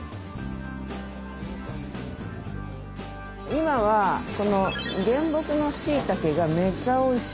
今はこの原木のしいたけがめちゃおいしい。